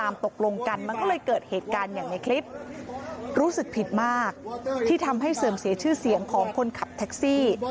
มากที่ทำให้เสริมเสียชื่อเสียงของคนขับแท็กซี่